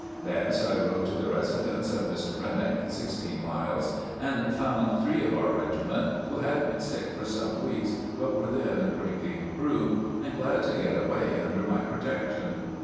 Thence I rode to the residence of Mr. Renick, sixteen miles, and found three of our regiment who had been sick for some weeks but were then greatly improved and glad to get away under my protection.